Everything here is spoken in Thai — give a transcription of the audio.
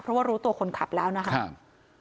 เพราะว่ารู้ตัวคนขับแล้วนะครับ